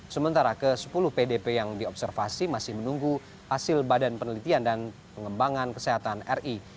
sementara ke sepuluh pdp yang diobservasi masih menunggu hasil badan penelitian dan pengembangan kesehatan ri